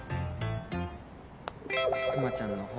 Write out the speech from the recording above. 「くまちゃんの方」